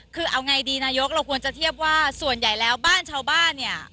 คือเอาไงดีนายกเราควรจะเทียบว่าส่วนใหญ่แล้วบ้านชาวบ้านเนี่ย